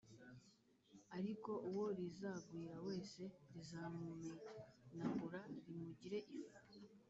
ariko uwo rizagwira wese rizamumenagura rimugire ifu.”